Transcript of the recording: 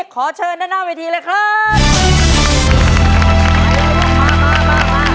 ขอเชิญด้านหน้าเวทีเลยครับ